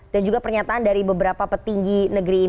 dan juga pernyataan dari beberapa petinggi negara